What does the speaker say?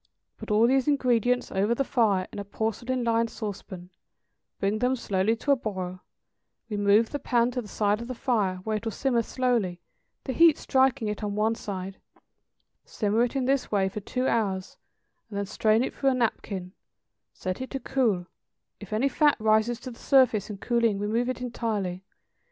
Put all these ingredients over the fire in a porcelain lined sauce pan, bring them slowly to a boil, remove the pan to the side of the fire, where it will simmer slowly, the heat striking it on one side; simmer it in this way for two hours, and then strain it through a napkin, set it to cool; if any fat rises to the surface in cooling remove it entirely.